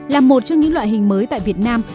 là một trong những loại hình mới tại việt nam